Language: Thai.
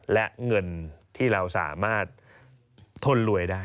และเงินที่เราสามารถทนรวยได้